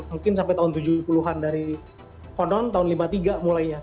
mungkin sampai tahun tujuh puluh an dari konon tahun lima puluh tiga mulainya